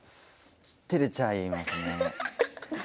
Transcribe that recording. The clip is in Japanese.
てれちゃいますね。